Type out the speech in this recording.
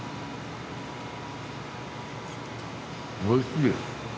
おいしい。